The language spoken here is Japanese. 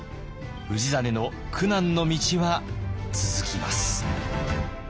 氏真の苦難の道は続きます。